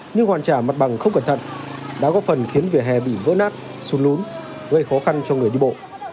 nhưng hoàn trả mặt bằng không cẩn thận đã góp phần khiến vỉa hè bị vỡ nát sụt lún gây khó khăn cho người đi bộ